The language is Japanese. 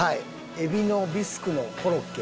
海老のビスクのコロッケ。